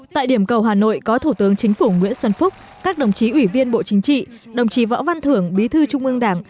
tại điểm cầu hà nội có thủ tướng chính phủ nguyễn xuân phúc các đồng chí ủy viên bộ chính trị đồng chí võ văn thưởng bí thư trung ương đảng